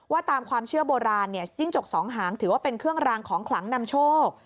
ตามความเชื่อโบราณเนี่ยจิ้งจกสองหางถือว่าเป็นเครื่องรางของขลังนำโชค